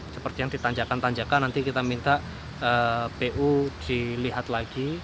seperti yang ditanjakan tanjakan nanti kita minta pu dilihat lagi